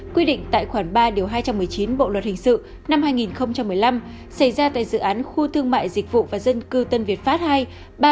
quy định tại khoản ba điều hai trăm một mươi chín bộ luật hình sự năm hai nghìn một mươi năm xảy ra tại dự án khu thương mại dịch vụ và dân cư tân việt pháp ii